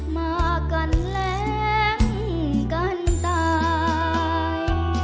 มากันแรงกันตาย